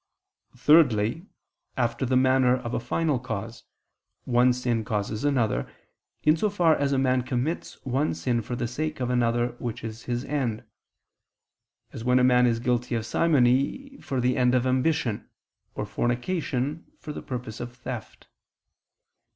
Thirdly, after the manner of a final cause, one sin causes another, in so far as a man commits one sin for the sake of another which is his end; as when a man is guilty of simony for the end of ambition, or fornication for the purpose of theft.